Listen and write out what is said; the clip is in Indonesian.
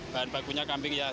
bahan bagunya kambing ya